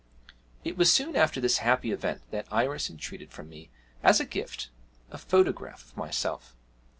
It was soon after this happy event that Iris entreated from me, as a gift, a photograph of myself.